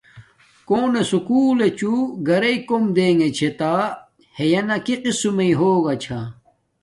کونو سوکولی چوہ گارݵ کوم دیگے چھتا ہݵ کی قسم مݵ ہوگا چھا،